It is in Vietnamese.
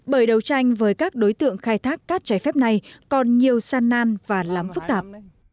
bởi đấu tranh với các đối tượng khai thác cát trái phép này còn nhiều san nan và lắm phức tạp